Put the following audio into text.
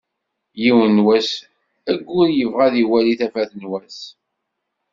Yiwen n wass aggur yebɣa ad iwali tafat n wass.